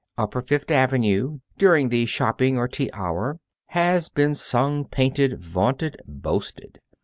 Upper Fifth Avenue, during the shopping or tea hour, has been sung, painted, vaunted, boasted.